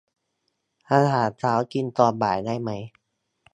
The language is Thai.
อาหารเช้ากินตอนบ่ายได้ไหม